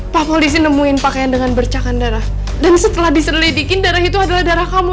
pak polisi nemuin pakaian dengan bercakan darah dan setelah diselidikin darah itu adalah darah kamu